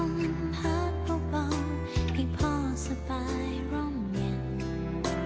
วอนลมพักเบาให้พ่อสบายร่มเย็น